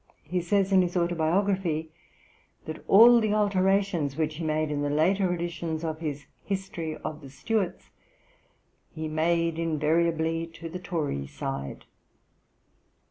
He says in his Autobiography/ (p. xi.) that all the alterations which he made in the later editions of his History of the Stuarts, 'he made invariably to the Tory side.'